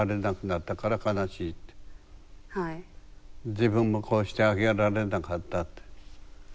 自分もこうしてあげられなかったって。